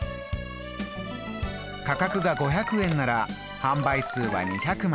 価格が５００円なら販売数は２００枚。